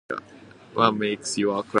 What makes you a-